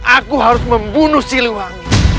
aku harus membunuh si luang